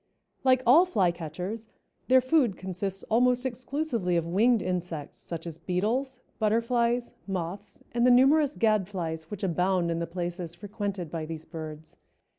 Like all Flycatchers, their food consists almost exclusively of winged insects, such as beetles, butterflies, moths and the numerous gadflies which abound in the places frequented by these birds.